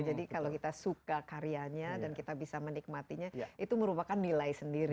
jadi kalau kita suka karyanya dan kita bisa menikmatinya itu merupakan nilai sendiri